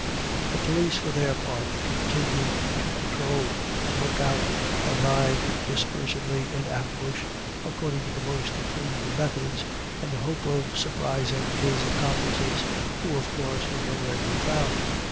The police, for their part, continued to patrol, and look* out, and lie dispersedly in ambush, according to the most approved methods, in the hope of surprising his accomplices, who of course were nowhere to be found.